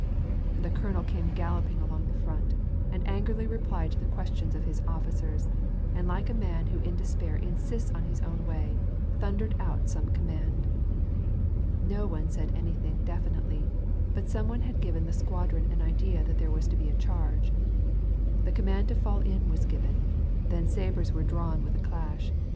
The colonel came galloping along the front; and angrily replied to the questions of his officers, and like a man who in despair insists on his own way, thundered out some command. No one said anything definitely, but something had given the .squadron an idea that there was to be a charge. The command to fall in was given, then sabres were drawn with a clash.